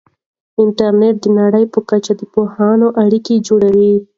انټرنیټ د نړۍ په کچه د پوهانو اړیکې جوړوي.